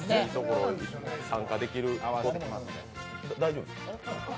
大丈夫ですか？